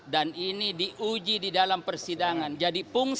dan ini diuji di dalam persidangan